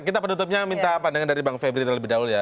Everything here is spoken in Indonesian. kita penutupnya minta pandangan dari bang febri terlebih dahulu ya